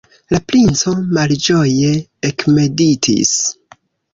La princo malĝoje ekmeditis.